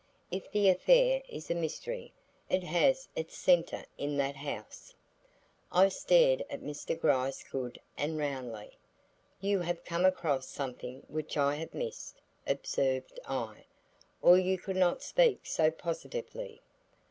If the affair is a mystery, it has its centre in that house." I stared at Mr. Gryce good and roundly. "You have come across something which I have missed," observed I, "or you could not speak so positively."